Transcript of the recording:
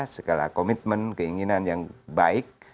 segala komitmen keinginan yang baik